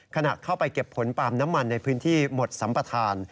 ขณะเข้าไปเก็บผลปาล์มน้ำมันในพื้นที่หมดสัมปทาน